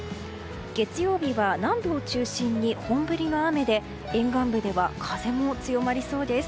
月曜日は南部を中心に本降りの雨で沿岸部では風も強まりそうです。